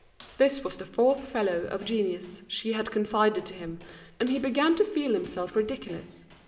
This was the fourth fellow of genius she had confided to him, and he began to feel himself ridiculous.